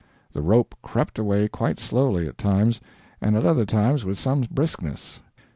The rope crept away quite slowly, at times, at other times with some briskness.